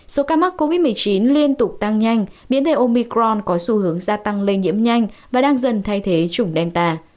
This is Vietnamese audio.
số ca mắc covid một mươi chín liên tục tăng nhanh biến thể omicron có xu hướng gia tăng lây nhiễm nhanh và đang dần thay thế chủng delta